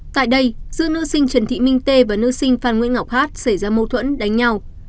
tại đây giữa nữ sinh trần thị minh tê và nữ sinh phan nguyễn ngọc hát xảy ra mâu thuẫn đánh nhau